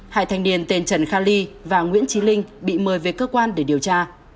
hai thanh niên tên trần kha ly và nguyễn trí linh bị mời về cơ quan để điều tra